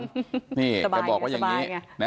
สบายอย่างนี้สบายอย่างนี้